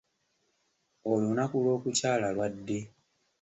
Olunaku lw'okukyala lwa ddi?